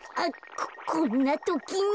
ここんなときに。